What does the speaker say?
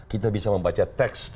kita bisa membaca teks